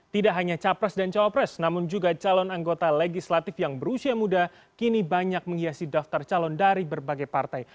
tidak hanya capres dan cawapres namun juga calon anggota legislatif yang berusia muda kini banyak menghiasi daftar calon dari berbagai partai